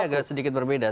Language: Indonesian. tapi agak sedikit berbeda